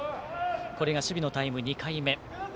これが守備のタイム２回目。